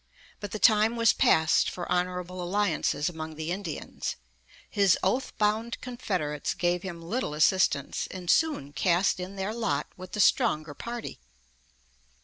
But the time was passed for honorable alliances among the Indians. His oath bound confederates gave him little assistance, and soon cast in their lot with the stronger party.